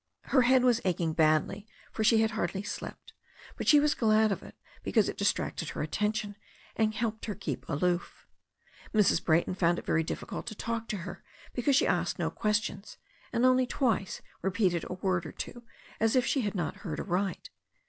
Her head was aching badly, for she had hardly slept, but she was glad of it, because it distracted her attention, and helped her to keep aloof. Mrs. Brayton found it very difficult to talk to her because she asked no questions, and only twice repeated a word or two, as if she had not heard aright.